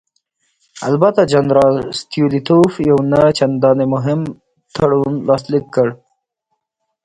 البته جنرال ستولیتوف یو نه چندانې مهم تړون لاسلیک کړ.